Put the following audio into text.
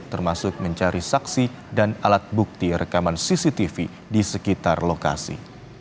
termasuk mencari saksi dan alat bukti rekaman cctv di sekitar lokasi